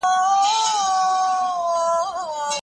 خطبه د رسول الله د فعل په اساس مستحب ده.